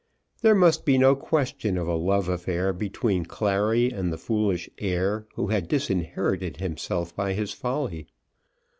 There must be no question of a love affair between Clary and the foolish heir who had disinherited himself by his folly.